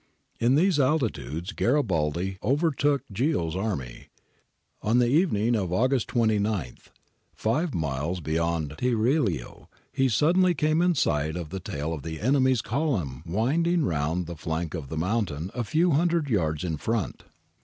In these altitudes Garibaldi overtook Ghio's army. On the even ing of August 29, five miles beyond Tiriolo, he suddenly came in sight of the tail of the enemy's column winding round the flank of the mountain a few hundred yards in front.